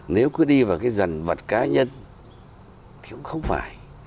nếu cứ đi vào cái dần vật cá nhân thì cũng không phải